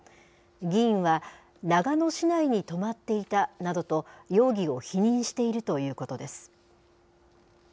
議員は長野市内に泊まっていたなどと、容疑を否認しているということです。